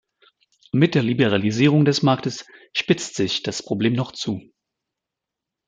Mit der Liberalisierung des Marktes spitzt sich das Problem noch zu.